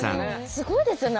すごいですよね。